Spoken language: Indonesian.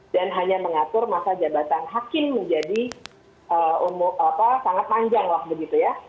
dan hanya mengatur masa jabatan hakim menjadi sangat panjang waktu begitu ya